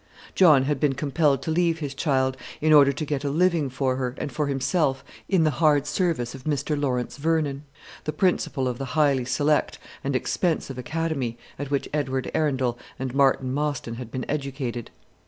John had been compelled to leave his child, in order to get a living for her and for himself in the hard service of Mr. Laurence Vernon, the principal of the highly select and expensive academy at which Edward Arundel and Martin Mostyn had been educated.